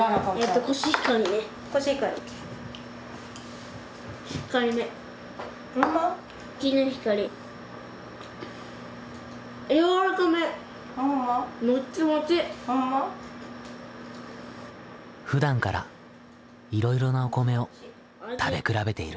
ほんま？ふだんからいろいろなお米を食べ比べている。